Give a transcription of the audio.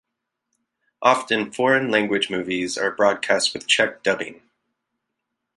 Often, foreign language movies are broadcast with Czech dubbing.